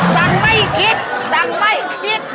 สั่งไม่คิดสั่งไม่คิด